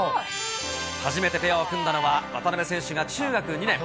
初めてペアを組んだのは、渡辺選手が中学２年。